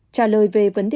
trả lời về vấn đề